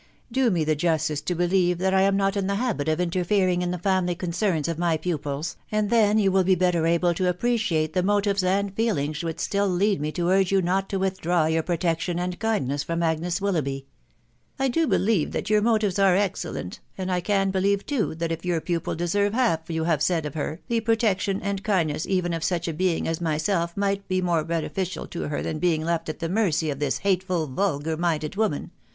... Do me the justice to believe that I am not in the habit of interfering in the family con cerns of my pupils, and then you will be better able to appre ciate the motives and feelings which still lead me to urge you not to withdraw your protection and kindness from Agnes Willoughby." " I do believe that your motives are excellent ; and I can believe, too, that if your pupil deserve half you have said of her, the protection and kindness even of such a being as myself might be more beneficial to her than being left at the mercy of this hateful, vulgar minded woman. ..